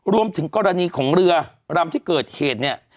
รวมถึงกรณีของเรือลำที่เกิดเหตุเนี่ย